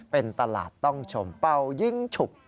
เป็นตลาดต้องชมเป่ายิ่งฉุก